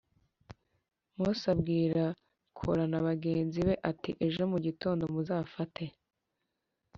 Mose abwira kora na bagenzi be ati ejo mu gitondo muzafate